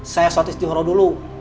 saya sotis di horo dulu